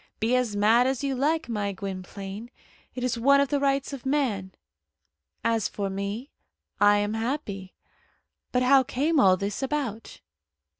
Be as mad as you like, my Gwynplaine. It is one of the rights of man. As for me, I am happy. But how came all this about?"